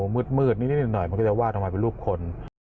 มืดมืดนิดนิดหน่อยมันก็จะวาดออกมาเป็นรูปคน